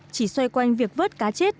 chỉ xoay quanh việc vớt cá chết